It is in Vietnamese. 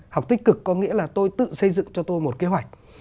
học tích cực có nghĩa là tôi tự xây dựng cho tôi một kế hoạch